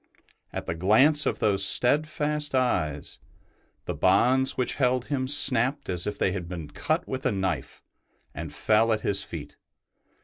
At the glance of those steadfast eyes, the bonds which held him snapped as if they had been cut with a knife, and fell at his feet.